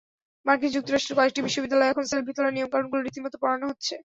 মার্কিন যুক্তরাষ্ট্রের কয়েকটি বিশ্ববিদ্যালয়ে এখন সেলফি তোলার নিয়মকানুনগুলো রীতিমতো পড়ানো হচ্ছে।